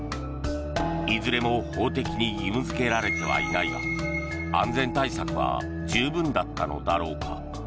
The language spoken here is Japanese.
いずれも法的に義務付けられてはいないが安全対策は十分だったのだろうか。